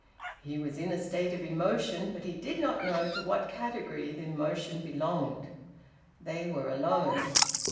He was in a state of emotion, but he did not know to what category the emotion belonged. They were alone.